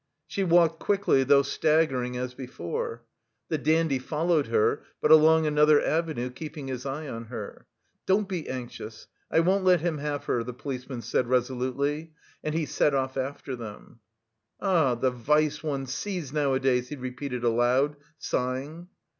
She walked quickly, though staggering as before. The dandy followed her, but along another avenue, keeping his eye on her. "Don't be anxious, I won't let him have her," the policeman said resolutely, and he set off after them. "Ah, the vice one sees nowadays!" he repeated aloud, sighing.